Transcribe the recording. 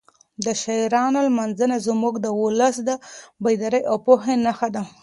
د شاعرانو لمانځنه زموږ د ولس د بیدارۍ او پوهې نښه ده.